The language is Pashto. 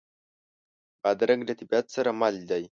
بادرنګ له طبیعت سره مل دی.